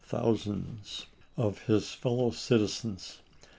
sands of his fellow citizens.